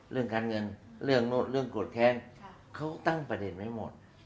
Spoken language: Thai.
เรื่องการเงินเรื่องโกรธแค้นเขาตั้งประเด็นไว้หมด